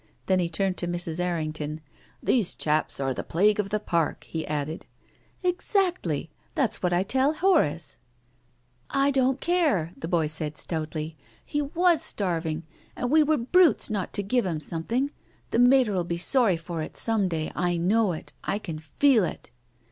Then he turned to Mrs. Errington. " These chaps are the plague of the Park," he added. " Exactly. That is what I tell Horace." " I don't care !" the boy said stoutly. " He was starving, and we were brutes not to give him something. The Mater'll be sorry for it someday. I know it. I can feel it."